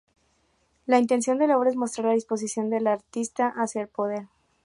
La intención de la obra es mostrar la disposición del artista hacia el poder.